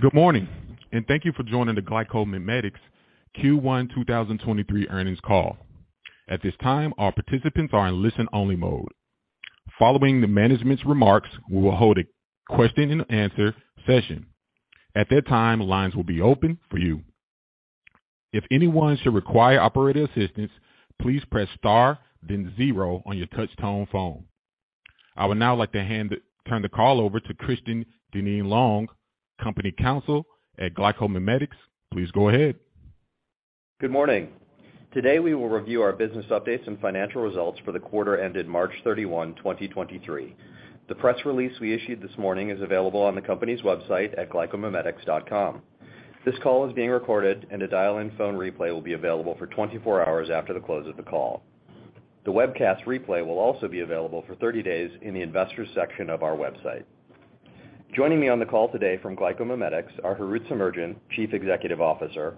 Good morning, and thank you for joining the GlycoMimetics Q1 2023 earnings call. At this time, our participants are in listen-only mode. Following the management's remarks, we will hold a question and answer session. At that time, lines will be open for you. If anyone should require operator assistance, please press star then zero on your touch tone phone. I would now like to turn the call over to Christian Dinneen-Long, Company Counsel at GlycoMimetics. Please go ahead. Good morning. Today we will review our business updates and financial results for the quarter ended March 31, 2023. The press release we issued this morning is available on the company's website at glycomimetics.com. This call is being recorded, and a dial-in phone replay will be available for 24 hours after the close of the call. The webcast replay will also be available for 30 days in the investors section of our website. Joining me on the call today from GlycoMimetics are Harout Semerjian, Chief Executive Officer,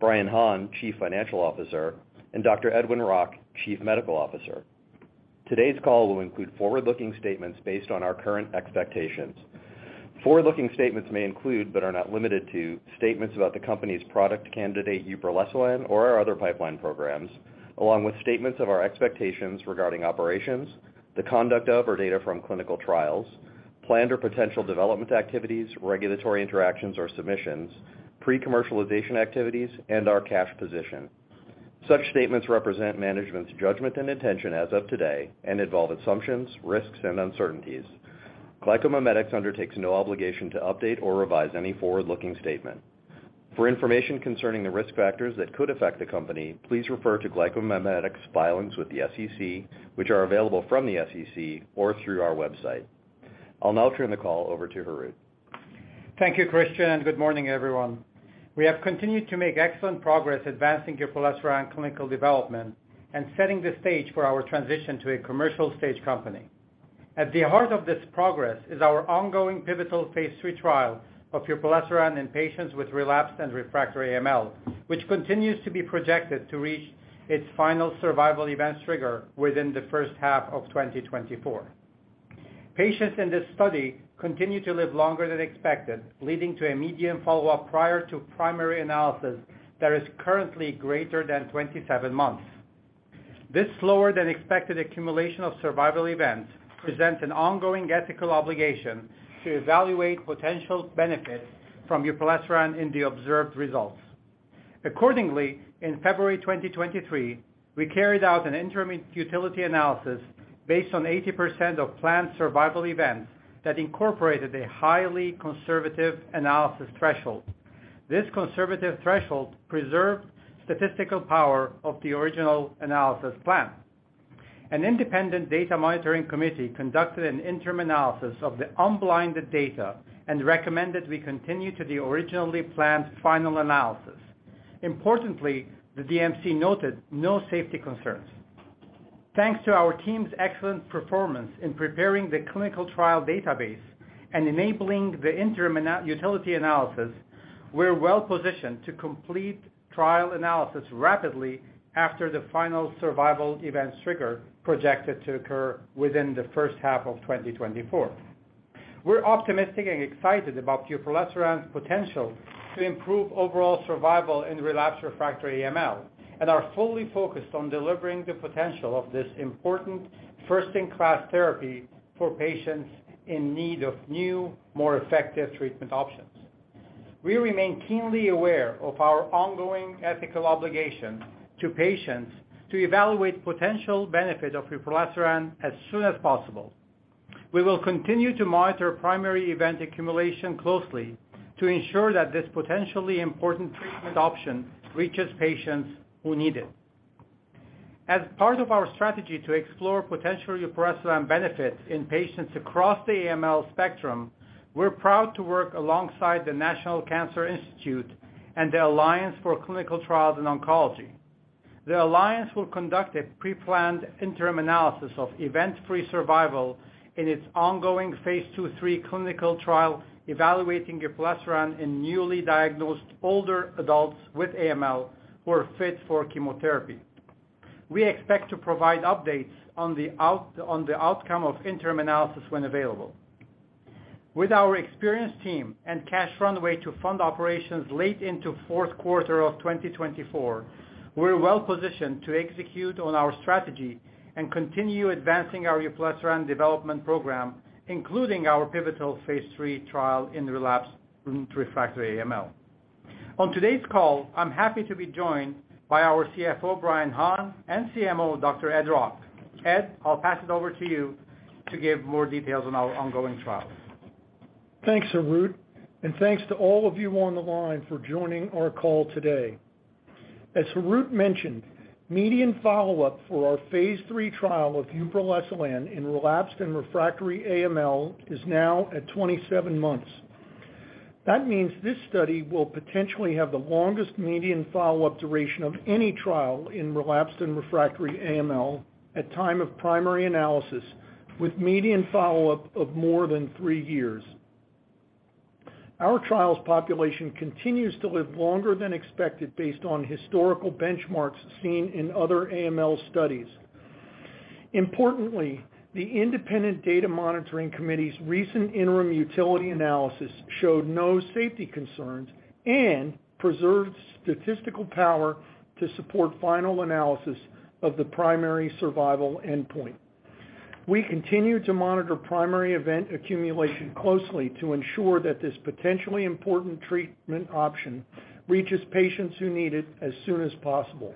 Brian Hahn, Chief Financial Officer, and Dr. Edwin Rock, Chief Medical Officer. Today's call will include forward-looking statements based on our current expectations. Forward-looking statements may include, but are not limited to, statements about the company's product candidate uproleselan or our other pipeline programs, along with statements of our expectations regarding operations, the conduct of or data from clinical trials, planned or potential development activities, regulatory interactions or submissions, pre-commercialization activities, and our cash position. Such statements represent management's judgment and intention as of today and involve assumptions, risks, and uncertainties. GlycoMimetics undertakes no obligation to update or revise any forward-looking statement. For information concerning the risk factors that could affect the company, please refer to GlycoMimetics filings with the SEC, which are available from the SEC or through our website. I'll now turn the call over to Harout. Thank you, Christian. Good morning, everyone. We have continued to make excellent progress advancing uproleselan clinical development and setting the stage for our transition to a commercial stage company. At the heart of this progress is our ongoing pivotal Phase III trial of uproleselan in patients with relapsed and refractory AML, which continues to be projected to reach its final survival events trigger within the first half of 2024. Patients in this study continue to live longer than expected, leading to a median follow-up prior to primary analysis that is currently greater than 27 months. This slower than expected accumulation of survival events presents an ongoing ethical obligation to evaluate potential benefits from uproleselan in the observed results. Accordingly, in February 2023, we carried out an interim utility analysis based on 80% of planned survival events that incorporated a highly conservative analysis threshold. This conservative threshold preserved statistical power of the original analysis plan. An independent data monitoring committee conducted an interim analysis of the unblinded data and recommended we continue to the originally planned final analysis. Importantly, the DMC noted no safety concerns. Thanks to our team's excellent performance in preparing the clinical trial database and enabling the interim utility analysis, we're well-positioned to complete trial analysis rapidly after the final survival event trigger projected to occur within the first half of 2024. We're optimistic and excited about uproleselan's potential to improve overall survival in relapsed refractory AML and are fully focused on delivering the potential of this important first-in-class therapy for patients in need of new, more effective treatment options. We remain keenly aware of our ongoing ethical obligation to patients to evaluate potential benefit of uproleselan as soon as possible. We will continue to monitor primary event accumulation closely to ensure that this potentially important treatment option reaches patients who need it. As part of our strategy to explore potential uproleselan benefits in patients across the AML spectrum, we're proud to work alongside the National Cancer Institute and the Alliance for Clinical Trials in Oncology. The Alliance will conduct a preplanned interim analysis of event-free survival in its ongoing Phase II/III clinical trial evaluating uproleselan in newly diagnosed older adults with AML who are fit for chemotherapy. We expect to provide updates on the outcome of interim analysis when available. With our experienced team and cash runway to fund operations late into fourth quarter of 2024, we're well-positioned to execute on our strategy and continue advancing our uproleselan development program, including our pivotal Phase III trial in relapsed refractory AML. On today's call, I'm happy to be joined by our CFO, Brian Hahn, and CMO, Dr. Ed Rock. Ed, I'll pass it over to you to give more details on our ongoing trials. Thanks, Harout, and thanks to all of you on the line for joining our call today. As Harout mentioned, median follow-up for our Phase III trial of uproleselan in relapsed and refractory AML is now at 27 months. That means this study will potentially have the longest median follow-up duration of any trial in relapsed and refractory AML at time of primary analysis with median follow-up of more than three years. Our trials population continues to live longer than expected based on historical benchmarks seen in other AML studies. Importantly, the independent data monitoring committee's recent interim utility analysis showed no safety concerns and preserved statistical power to support final analysis of the primary survival endpoint. We continue to monitor primary event accumulation closely to ensure that this potentially important treatment option reaches patients who need it as soon as possible.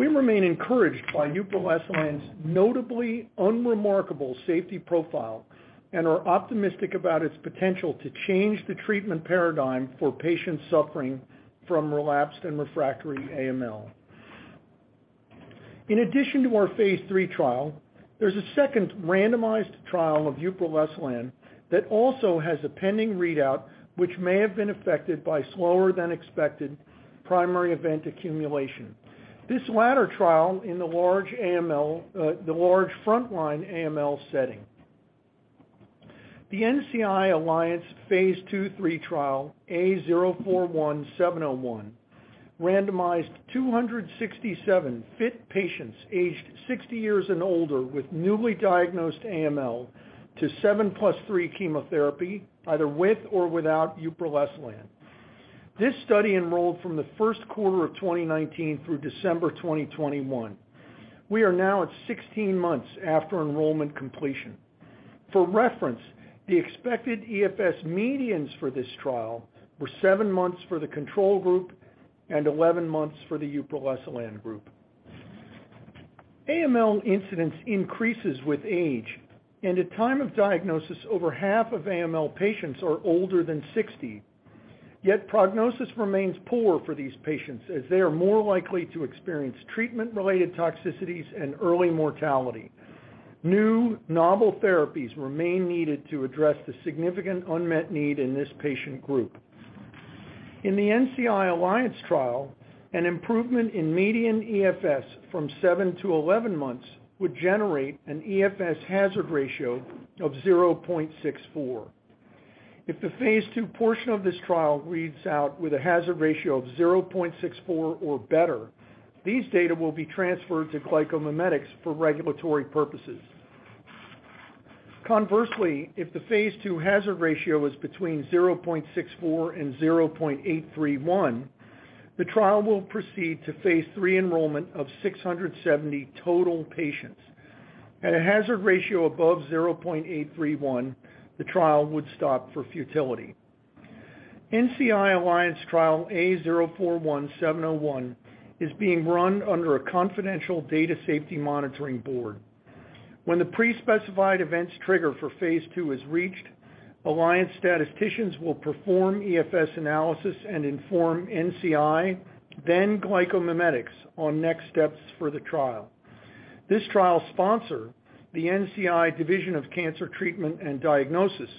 We remain encouraged by uproleselan's notably unremarkable safety profile and are optimistic about its potential to change the treatment paradigm for patients suffering from relapsed and refractory AML. In addition to our Phase three trial, there's a second randomized trial of uproleselan that also has a pending readout, which may have been affected by slower than expected primary event accumulation. This latter trial in the large frontline AML setting. The NCI Alliance Phase II/III trial A041701 randomized 267 fit patients aged 60 years and older with newly diagnosed AML to 7+3 chemotherapy, either with or without uproleselan. This study enrolled from the first quarter of 2019 through December 2021. We are now at 16 months after enrollment completion. For reference, the expected EFS medians for this trial were seven months for the control group and 11 months for the uproleselan group. AML incidence increases with age. At time of diagnosis, over half of AML patients are older than 60. Prognosis remains poor for these patients as they are more likely to experience treatment-related toxicities and early mortality. New novel therapies remain needed to address the significant unmet need in this patient group. In the NCI Alliance trial, an improvement in median EFS from 7 to 11 months would generate an EFS hazard ratio of 0.64. If the Phase II portion of this trial reads out with a hazard ratio of 0.64 or better, these data will be transferred to GlycoMimetics for regulatory purposes. Conversely, if the Phase II hazard ratio is between 0.64 and 0.831, the trial will proceed to Phase III enrollment of 670 total patients. At a hazard ratio above 0.831, the trial would stop for futility. NCI Alliance trial A041701 is being run under a confidential data safety monitoring board. When the pre-specified events trigger for Phase II is reached, Alliance statisticians will perform EFS analysis and inform NCI, then GlycoMimetics on next steps for the trial. This trial's sponsor, the NCI Division of Cancer Treatment and Diagnosis,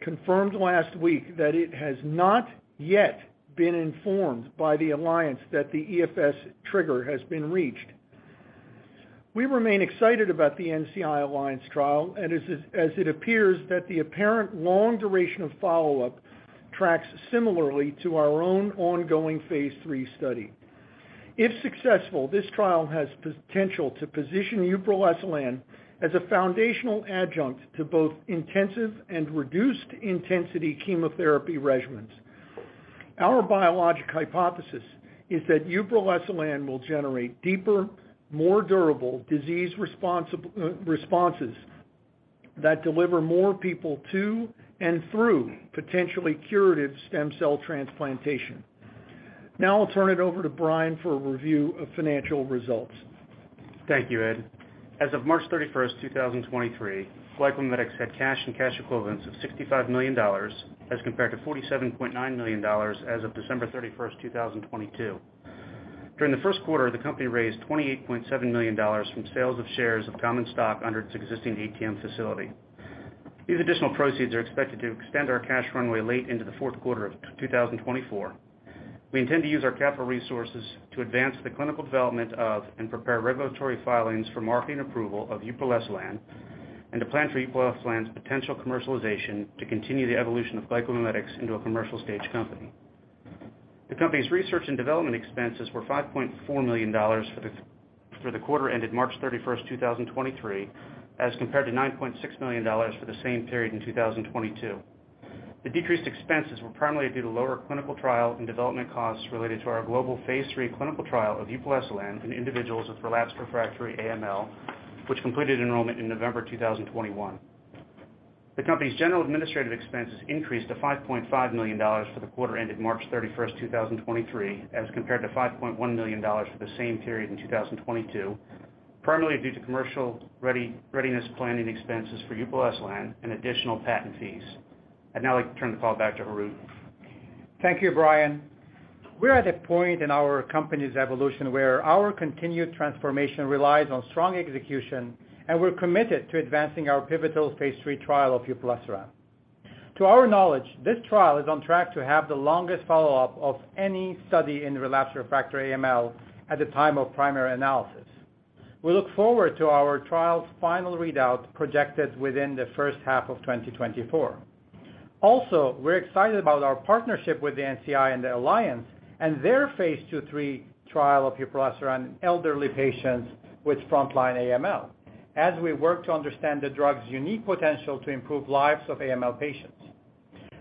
confirmed last week that it has not yet been informed by the Alliance that the EFS trigger has been reached. We remain excited about the NCI Alliance trial and as it appears that the apparent long duration of follow-up tracks similarly to our own ongoing Phase III study. If successful, this trial has potential to position uproleselan as a foundational adjunct to both intensive and reduced intensity chemotherapy regimens. Our biologic hypothesis is that uproleselan will generate deeper, more durable disease responses that deliver more people to and through potentially curative stem cell transplantation. Now I'll turn it over to Brian for a review of financial results. Thank you, Ed. As of March 31st, 2023, GlycoMimetics had cash and cash equivalents of $65 million as compared to $47.9 million as of December 31st, 2022. During the first quarter, the company raised $28.7 million from sales of shares of common stock under its existing ATM facility. These additional proceeds are expected to extend our cash runway late into the fourth quarter of 2024. We intend to use our capital resources to advance the clinical development of and prepare regulatory filings for marketing approval of uproleselan, and to plan for uproleselan's potential commercialization to continue the evolution of GlycoMimetics into a commercial stage company. The company's research and development expenses were $5.4 million for the quarter ended March 31st, 2023, as compared to $9.6 million for the same period in 2022. The decreased expenses were primarily due to lower clinical trial and development costs related to our global Phase III clinical trial of uproleselan in individuals with relapsed refractory AML, which completed enrollment in November 2021. The company's general administrative expenses increased to $5.5 million for the quarter ended March 31st, 2023, as compared to $5.1 million for the same period in 2022, primarily due to commercial readiness planning expenses for uproleselan and additional patent fees. I'd now like to turn the call back to Harout. Thank you, Brian. We're at a point in our company's evolution where our continued transformation relies on strong execution, and we're committed to advancing our pivotal Phase III trial of uproleselan. To our knowledge, this trial is on track to have the longest follow-up of any study in relapsed refractory AML at the time of primary analysis. We look forward to our trial's final readout projected within the first half of 2024. We're excited about our partnership with the NCI and the Alliance and their Phase II/III trial of uproleselan in elderly patients with frontline AML as we work to understand the drug's unique potential to improve lives of AML patients.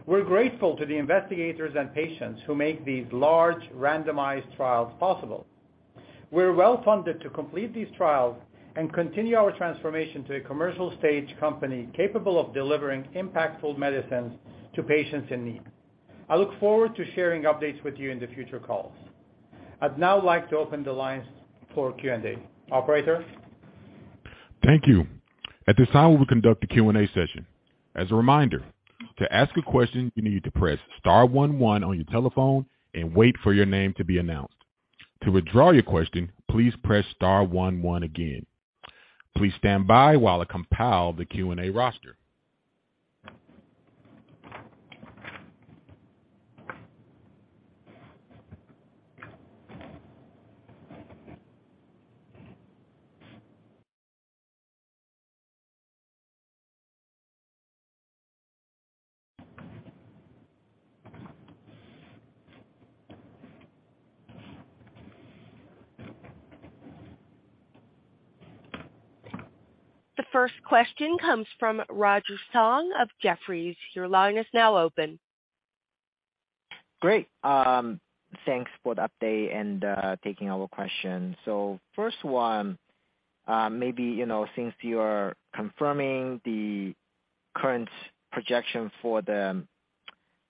We're grateful to the investigators and patients who make these large randomized trials possible. We're well funded to complete these trials and continue our transformation to a commercial stage company capable of delivering impactful medicines to patients in need. I look forward to sharing updates with you in the future calls. I'd now like to open the lines for Q&A. Operator? Thank you. At this time, we will conduct a Q&A session. As a reminder, to ask a question, you need to press star one one on your telephone and wait for your name to be announced. To withdraw your question, please press star one one again. Please stand by while I compile the Q&A roster. The first question comes from Roger Song of Jefferies. Your line is now open. Great. Thanks for the update and taking our question. First one, maybe, you know, since you are confirming the current projection for the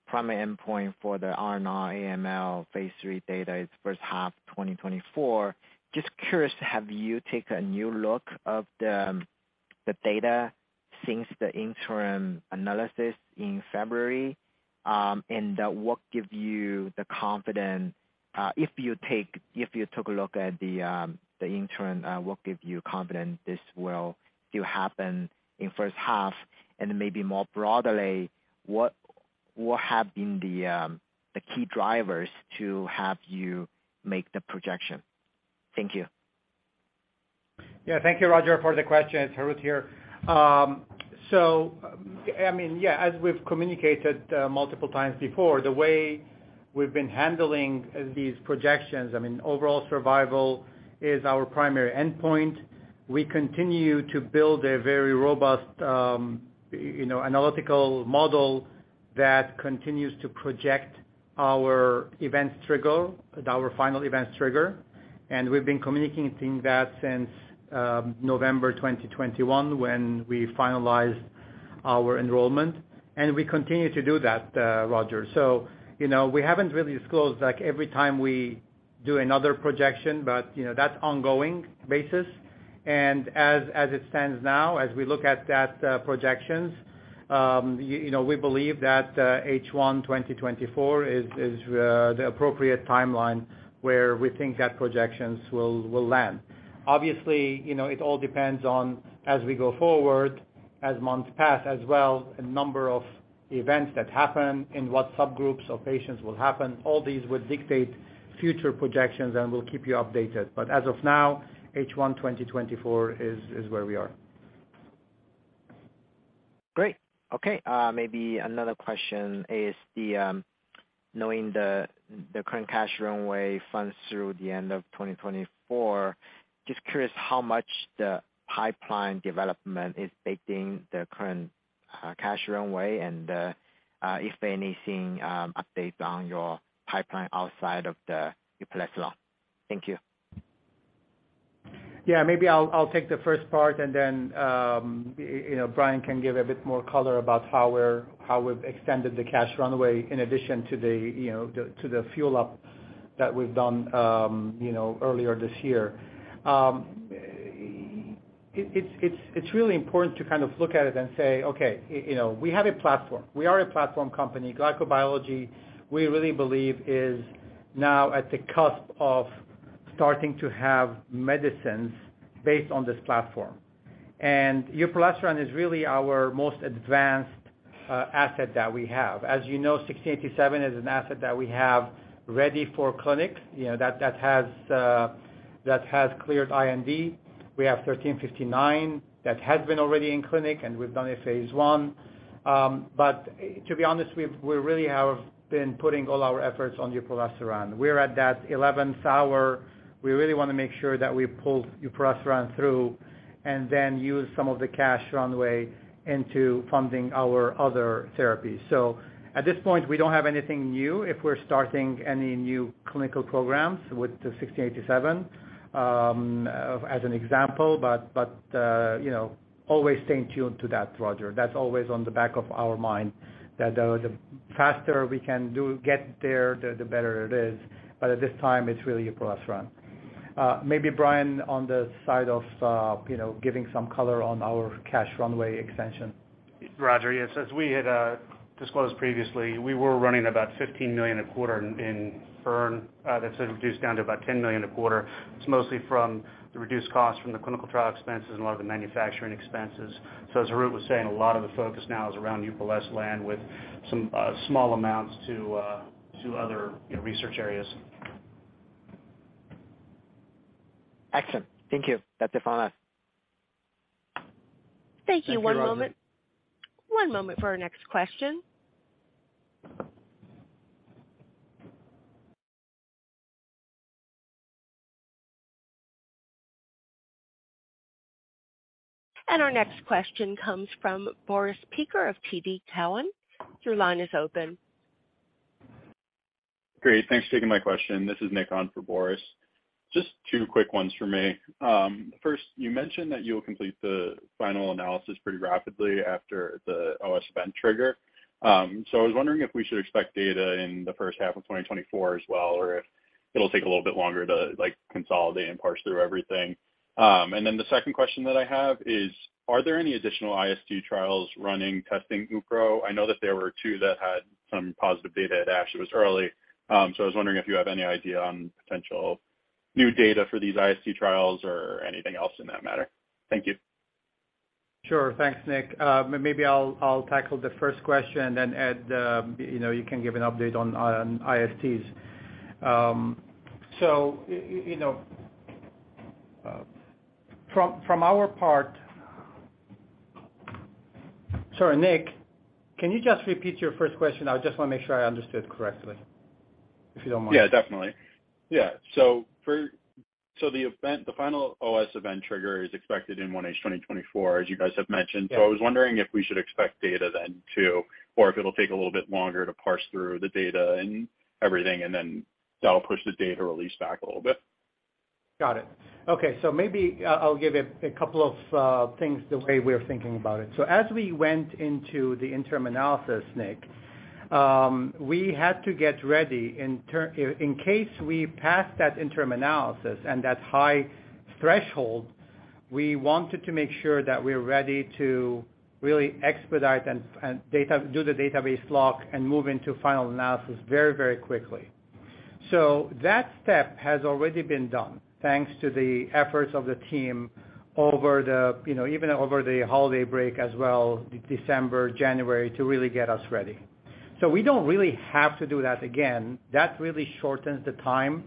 primary endpoint for the R/R AML Phase III data is first half 2024, just curious, have you take a new look of the data since the interim analysis in February? And what give you the confidence, if you took a look at the interim, what give you confidence this will still happen in first half? Maybe more broadly, what have been the key drivers to have you make the projection? Thank you. Yeah. Thank you, Roger, for the question. It's Harut here. I mean, yeah, as we've communicated, multiple times before, the way we've been handling these projections, I mean, overall survival is our primary endpoint. We continue to build a very robust, you know, analytical model that continues to project our events trigger, our final events trigger. We've been communicating that since November 2021 when we finalized our enrollment, and we continue to do that, Roger. You know, we haven't really disclosed, like, every time we do another projection, but, you know, that's ongoing basis. As it stands now, as we look at that projections, you know, we believe that H1 2024 is the appropriate timeline where we think that projections will land. Obviously, you know, it all depends on as we go forward, as months pass as well, a number of events that happen, in what subgroups of patients will happen. All these would dictate future projections, and we'll keep you updated. As of now, H1 2024 is where we are. Great. Okay. Maybe another question is knowing the current cash runway funds through the end of 2024, just curious how much the pipeline development is taking the current cash runway, and if anything, update on your pipeline outside of the uproleselan? Thank you. Yeah. Maybe I'll take the first part and then, you know, Brian Hahn can give a bit more color about how we've extended the cash runway in addition to the, you know, to the fuel up that we've done, you know, earlier this year. It's really important to kind of look at it and say, okay, you know, we have a platform. We are a platform company. Glycobiology, we really believe is now at the cusp of starting to have medicines based on this platform. uproleselan is really our most advanced asset that we have. As you know, GMI-1687 is an asset that we have ready for clinic, you know, that has cleared IND. We have GMI-1359 that has been already in clinic, and we've done a Phase I. To be honest, we've really been putting all our efforts on uproleselan. We're at that 11th hour. We really wanna make sure that we pull uproleselan through and then use some of the cash runway into funding our other therapies. At this point, we don't have anything new if we're starting any new clinical programs with the GMI-1687, as an example, you know, always staying tuned to that, Roger. That's always on the back of our mind, that the faster we can get there, the better it is. At this time, it's really uproleselan. Maybe Brian, on the side of, you know, giving some color on our cash runway extension. Roger, yes. As we had disclosed previously, we were running about $15 million a quarter in burn, that's been reduced down to about $10 million a quarter. It's mostly from the reduced cost from the clinical trial expenses and a lot of the manufacturing expenses. As Harout was saying, a lot of the focus now is around uproleselan with some small amounts to to other, you know, research areas. Excellent. Thank you. That's it from us. Thank you. One moment. One moment for our next question. Our next question comes from Boris Peaker of TD Cowen. Your line is open. Great. Thanks for taking my question. This is Nick on for Boris. Just two quick ones from me. First, you mentioned that you will complete the final analysis pretty rapidly after the OS event trigger. I was wondering if we should expect data in the first half of 2024 as well, or if it'll take a little bit longer to, like, consolidate and parse through everything. The second question that I have is, are there any additional IST trials running, testing upro? I know that there were two that had some positive data at ASH. It was early. I was wondering if you have any idea on potential new data for these IST trials or anything else in that matter. Thank you. Sure. Thanks, Nick. Maybe I'll tackle the first question. Then Ed, you know, you can give an update on ISTs. You know, from our part... Sorry, Nick, can you just repeat your first question? I just wanna make sure I understood correctly, if you don't mind. Yeah, definitely. The event, the final OS event trigger is expected in 1H 2024, as you guys have mentioned. Yeah. I was wondering if we should expect data then too, or if it'll take a little bit longer to parse through the data and everything, and then that'll push the data release back a little bit. Got it. Okay. Maybe, I'll give a couple of things the way we're thinking about it. As we went into the interim analysis, Nick, we had to get ready In case we passed that interim analysis and that high threshold, we wanted to make sure that we're ready to really expedite and do the database lock and move into final analysis very, very quickly. That step has already been done thanks to the efforts of the team over the, you know, even over the holiday break as well, December, January, to really get us ready. We don't really have to do that again. That really shortens the time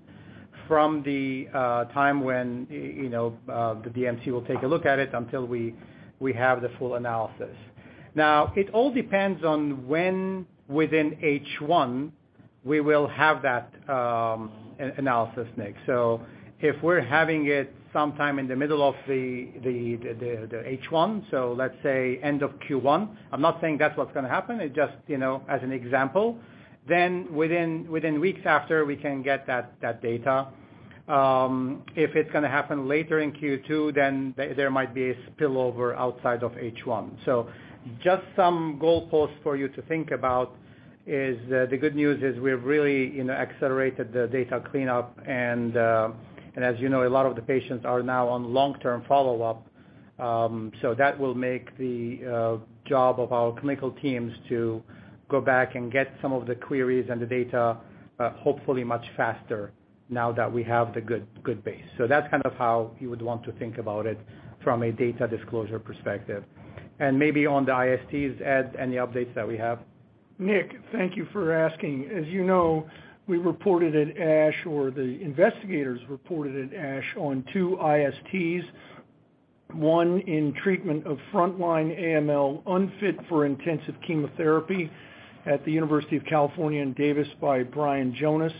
from the time when, you know, the DMC will take a look at it until we have the full analysis. It all depends on when within H1 we will have that analysis, Nick. If we're having it sometime in the middle of the H1, so let's say end of Q1, I'm not saying that's what's gonna happen, it's just, you know, as an example, then within weeks after, we can get that data. If it's gonna happen later in Q2, then there might be a spillover outside of H1. Just some goalposts for you to think about is, the good news is we're really, you know, accelerated the data cleanup and as you know, a lot of the patients are now on long-term follow-up. That will make the job of our clinical teams to go back and get some of the queries and the data, hopefully much faster now that we have the good base. That's kind of how you would want to think about it from a data disclosure perspective. Maybe on the ISTs, Ed, any updates that we have? Nick, thank you for asking. As you know, we reported at ASH, or the investigators reported at ASH on 2 ISTs, one in treatment of frontline AML unfit for intensive chemotherapy at the University of California, Davis by Brian Jonas.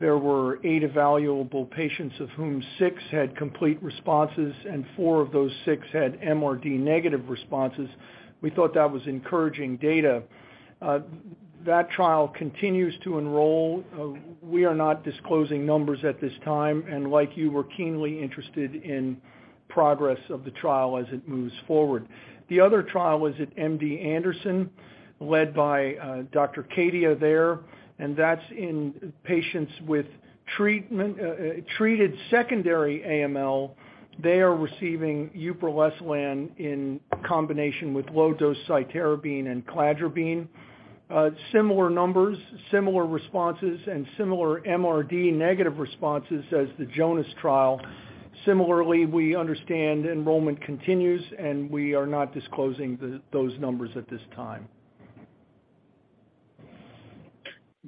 There were eight evaluable patients, of whom six had complete responses and four of those six had MRD negative responses. We thought that was encouraging data. That trial continues to enroll. We are not disclosing numbers at this time, and like you, we're keenly interested in progress of the trial as it moves forward. The other trial was at MD Anderson, led by Dr. Kadi there, and that's in patients with treatment, treated secondary AML. They are receiving uproleselan in combination with low-dose cytarabine and cladribine. Similar numbers, similar responses, and similar MRD negative responses as the Jonas trial. Similarly, we understand enrollment continues, and we are not disclosing the, those numbers at this time.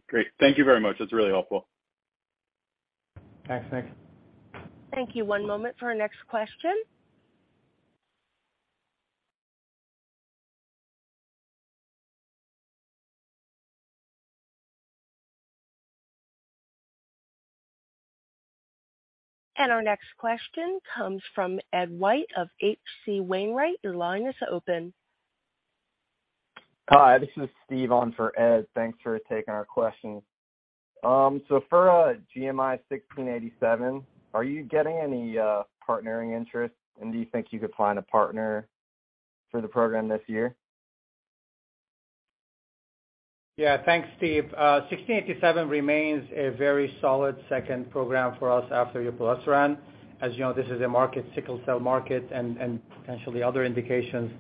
Great. Thank you very much. That's really helpful. Thanks, Nick. Thank you. One moment for our next question. Our next question comes from Steve Bersey of H.C. Wainwright. Your line is open. Hi, this is Steve on for Ed. Thanks for taking our question. For GMI-1687, are you getting any partnering interest, and do you think you could find a partner for the program this year? Yeah. Thanks, Steve. 1687 remains a very solid second program for us after uproleselan. As you know, this is a market, sickle cell market and potentially other indications,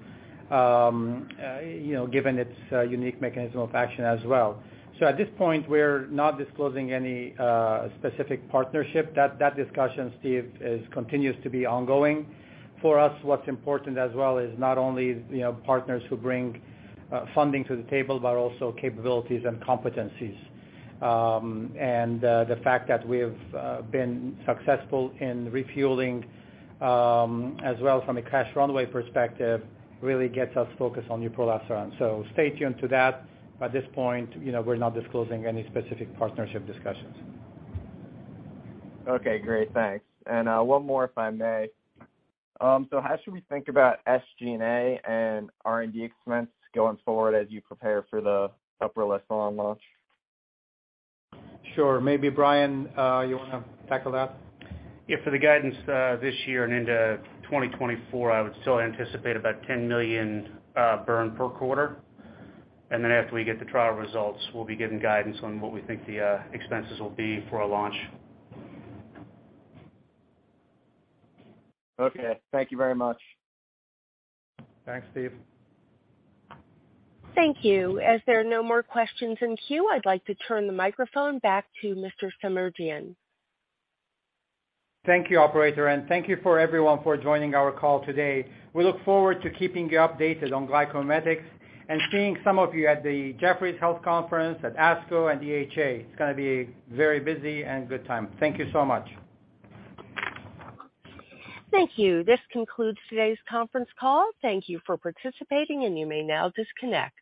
you know, given its unique mechanism of action as well. At this point, we're not disclosing any specific partnership. That discussion, Steve, continues to be ongoing. For us, what's important as well is not only, you know, partners who bring funding to the table, but also capabilities and competencies. The fact that we've been successful in refueling as well from a cash runway perspective, really gets us focused on uproleselan. Stay tuned to that. At this point, you know, we're not disclosing any specific partnership discussions. Okay. Great. Thanks. One more, if I may. How should we think about SG&A and R&D expense going forward as you prepare for the uproleselan launch? Sure. Maybe, Brian, you wanna tackle that? Yeah. For the guidance, this year and into 2024, I would still anticipate about $10 million burn per quarter. Then after we get the trial results, we'll be giving guidance on what we think the expenses will be for our launch. Okay. Thank you very much. Thanks, Steve. Thank you. As there are no more questions in queue, I'd like to turn the microphone back to Mr. Semerjian. Thank you, operator, and thank you for everyone for joining our call today. We look forward to keeping you updated on GlycoMimetics and seeing some of you at the Jefferies Healthcare Conference, at ASCO and EHA. It's gonna be a very busy and good time. Thank you so much. Thank you. This concludes today's conference call. Thank you for participating. You may now disconnect.